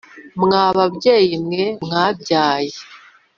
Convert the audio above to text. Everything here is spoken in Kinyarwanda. mwa babyeyi mwe mwabyaye